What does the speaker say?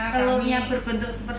telurnya berbentuk sebagainya